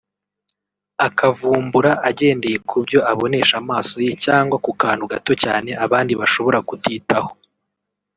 akavumbura agendeye ku byo abonesha amaso ye cyangwa ku kantu gato cyane abandi bashobora kutitaho